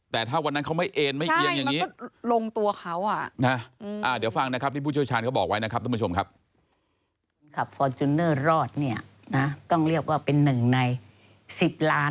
แต่ถ้าวันนั้นเขาไม่เอ็นไม่เอียงอย่างนี้